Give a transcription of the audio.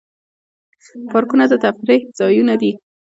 پارکونه د تفریح ځایونه دي